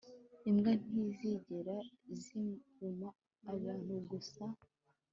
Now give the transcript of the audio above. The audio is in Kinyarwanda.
imbwa ntizigera ziruma abantu gusa